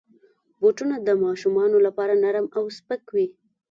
بوټونه د ماشومانو لپاره نرم او سپک وي.